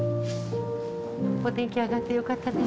お天気上がってよかったです。